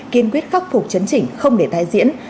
kiên quyết khắc phục chấn chỉnh không để tái diễn